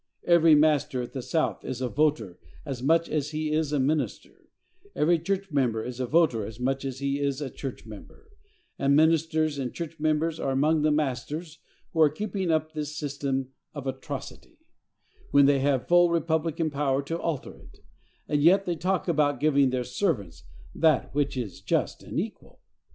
Every minister at the South is a voter as much as he is a minister; every church member is a voter as much as he is a church member; and ministers and church members are among the masters who are keeping up this system of atrocity, when they have full republican power to alter it; and yet they talk about giving their servants that which is just and equal!